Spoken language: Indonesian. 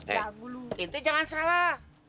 eh ente jangan salah